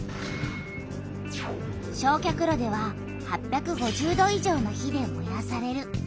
焼却炉では８５０度以上の火でもやされる。